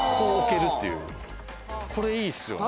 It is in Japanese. これ、いいですよね。